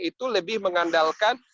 itu lebih mengandalkan